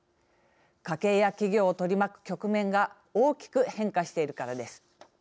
家計や企業を取り巻く局面が大きく変化しているからです。